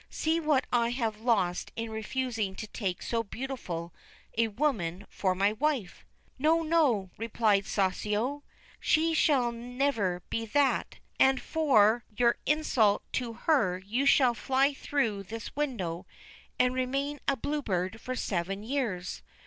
' See what I have lost in refusing to take so beautiful a woman for my wife.' ' No I no I ' replied Soussio, ' she shall never be that, and for 87 THE BLUE BIRD your insult to her you shall fly through this window, and remain a Blue Bird for seven years.